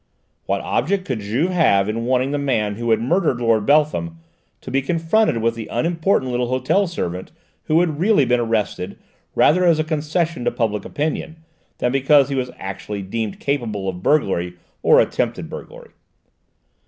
What object could Juve have in wanting the man who had murdered Lord Beltham to be confronted with the unimportant little hotel servant who had really been arrested rather as a concession to public opinion than because he was actually deemed capable of burglary or attempted burglary?